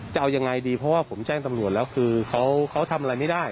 จะเอายังไงดีเพราะว่าผมแจ้งตำรวจแล้วคือเขาทำอะไรไม่ได้